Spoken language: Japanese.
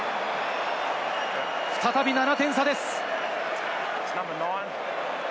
再び７点差です。